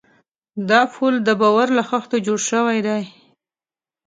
دا پُل د باور له خښتو جوړ شوی دی.